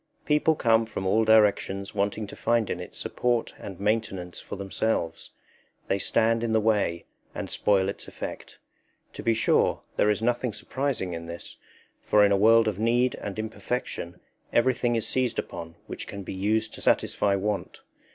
People come from all directions wanting to find in it support and maintenance for themselves; they stand in the way and spoil its effect. To be sure, there is nothing surprising in this, for in a world of need and imperfection everything is seized upon which can be used to satisfy want.